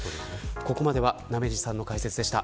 ここまで鍋西さんの解説でした。